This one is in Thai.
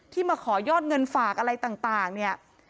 ที่มาขอยอดเงินฝากอะไรต่างต่างเนี่ย